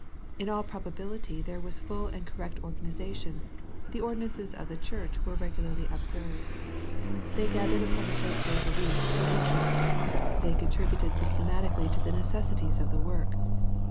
In all probability there was full and correct organization, the ordinances of the church were regularly observed. They gath ered upon the first day of the week for wor ship. They contributed systematically to the necessities of the work.